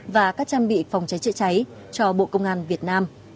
và các trang bị phòng cháy chữa cháy cho bộ công an việt nam